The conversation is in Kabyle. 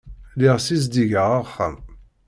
Lliɣ ssizdigeɣ axxam.